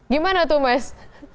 gimana tuh mas